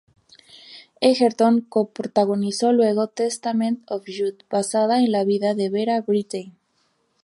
Egerton coprotagonizó luego "Testament of Youth", basada en la vida de Vera Brittain.